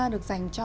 được dành cho